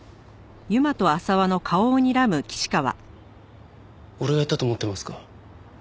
俺がやったと思ってますか？